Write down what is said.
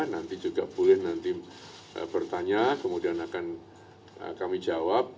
nanti juga boleh nanti bertanya kemudian akan kami jawab